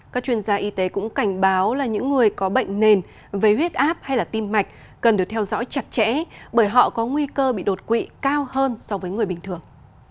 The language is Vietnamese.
các chuyên gia y tế cũng cảnh báo là những người có bệnh nền vây huyết áp hay tim mạch cần được theo dõi chặt chẽ bởi họ có nguy cơ bị đột quỵ cao hơn so với người bình thường